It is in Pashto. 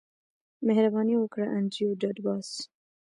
مهرباني وکړه انډریو ډاټ باس